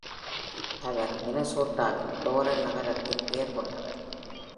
அவர் மினசோட்டாவின் டோரன் நகரத்தின் பெயர் கொண்டவர் .